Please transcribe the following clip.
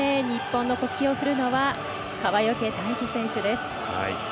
日本の国旗を振るのは川除大輝選手です。